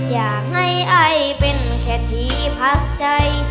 อยากให้ไอเป็นแค่ที่พักใจ